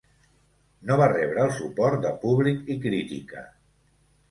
No va rebre el suport de públic i crítica.